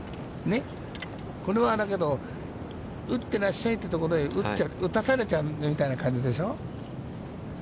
これはだけど、打ってらっしゃいというところへ打たされちゃうみたいな感じでしょう。